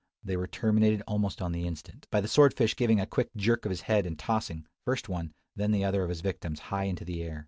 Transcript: They were terminated almost on the instant, by the sword fish giving a quick jerk of his head, and tossing, first one and then the other of his victims high into the air!